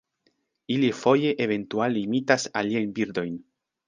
Ili foje eventuale imitas aliajn birdojn.